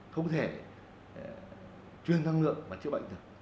không thể chuyên năng lượng và chữa bệnh được